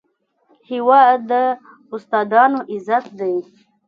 هېواد د استادانو عزت دی.